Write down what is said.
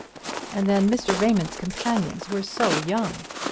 And then Mr. Raymond's companions were so young!